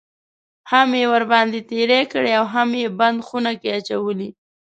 هم یې ورباندې تېری کړی اوهم یې بند خونه کې اچولی.